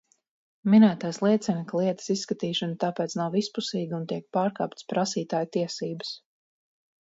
Minētais liecina, ka lietas izskatīšana tāpēc nav vispusīga un tiek pārkāptas prasītāja tiesības.